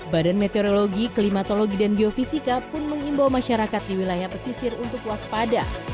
badan meteorologi klimatologi dan geofisika pun mengimbau masyarakat di wilayah pesisir untuk waspada